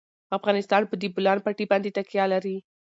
افغانستان په د بولان پټي باندې تکیه لري.